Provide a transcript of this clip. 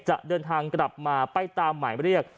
จะเดินทางกลับมาไปตามหมายเรียก